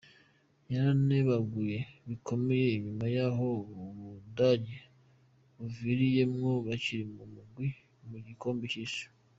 Yaranebaguwe bikomeye inyuma y'aho Ubudagi buviriyemwo bakiri mu migwi mu gikombe c'isi.